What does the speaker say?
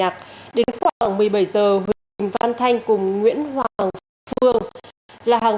trong thời gian qua